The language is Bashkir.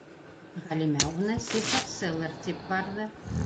Ғәлимә уны сихырсылыр тип барҙы.